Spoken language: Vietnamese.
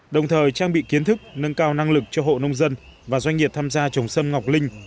đồng thời trang bị kiến thức nâng cao năng lực cho hộ nông dân và doanh nghiệp tham gia trồng sâm ngọc linh